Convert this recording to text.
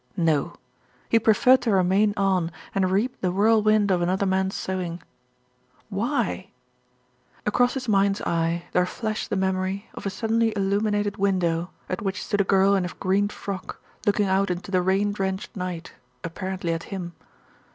No! he preferred to remain on and reap the whirlwind of another man's sowing. Why? 130 MISS LIPSCOMBE DECIDES ON NEUTRALITY 131 Across his mind's eye there flashed the memory of a suddenly illuminated window, at which stood a girl in a green frock, looking out into the rain drenched night, apparently at him.